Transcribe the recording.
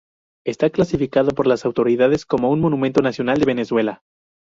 Esta clasificado por las autoridades como un Monumento Nacional de Venezuela.